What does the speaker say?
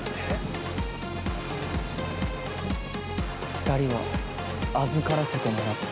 ◆２人は預からせてもらった。